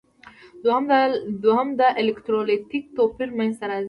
دوهم د الکترولیتیک توپیر منځ ته راځي.